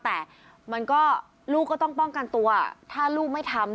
แต่มันก็ลูกก็ต้องป้องกันตัวถ้าลูกไม่ทำ